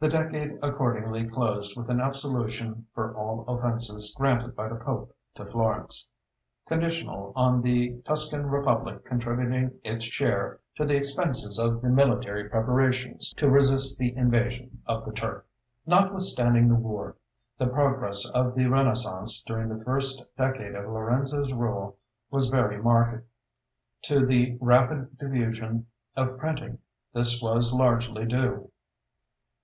The decade accordingly closed with an absolution for all offences granted by the Pope to Florence, conditional on the Tuscan republic contributing its share to the expenses of the military preparations to resist the invasion of the Turk. Notwithstanding the war, the progress of the Renaissance during the first decade of Lorenzo's rule was very marked. To the rapid diffusion of printing this was largely due.